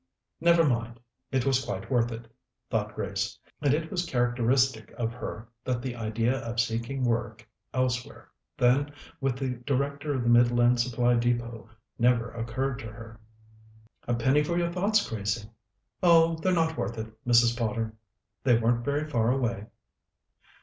"Never mind; it was quite worth it," thought Grace, and it was characteristic of her that the idea of seeking work elsewhere than with the Director of the Midland Supply Depôt never occurred to her. "A penny for your thoughts, Gracie." "Oh, they're not worth it, Mrs. Potter. They weren't very far away."